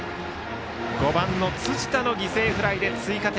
５番の辻田の犠牲フライで追加点。